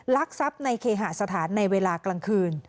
ลักทรัพย์ในเคหาสถานในเวลากลางคืน